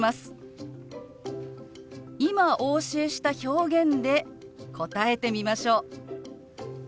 今お教えした表現で答えてみましょう。